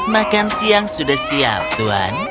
makan siang sudah siap tuan